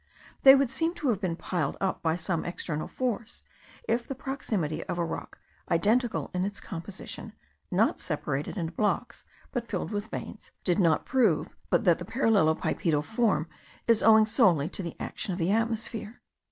They would seem to have been piled up by some external force, if the proximity of a rock identical in its composition, not separated into blocks but filled with veins, did not prove that the parallelopipedal form is owing solely to the action of the atmosphere.